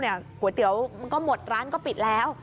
ก๋วยเตี๋ยวมันก็หมดร้านก็ปิดแล้ว